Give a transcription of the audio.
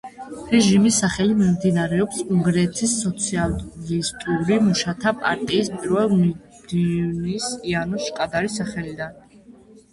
რეჟიმის სახელი მომდინარეობს უნგრეთის სოციალისტური მუშათა პარტიის პირველი მდივნის იანოშ კადარის სახელიდან.